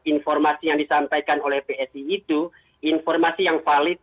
informasi yang disampaikan oleh psi itu informasi yang valid